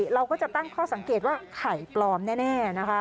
เราก็จะตั้งข้อสังเกตว่าไข่ปลอมแน่นะคะ